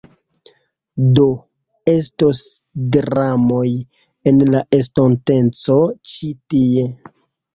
Do, estos tramoj en la estonteco ĉi tie